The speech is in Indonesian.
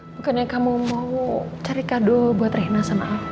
bukannya kamu mau cari kado buat rehina sama aku